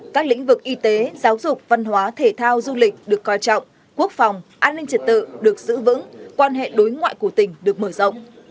các lĩnh vực y tế giáo dục văn hóa thể thao du lịch được coi trọng quốc phòng an ninh trật tự được giữ vững quan hệ đối ngoại của tỉnh được mở rộng